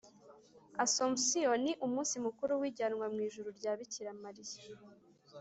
asomusiyo ni umunsi mukuru w’ijyanwa mu ijuru rya bikira mariya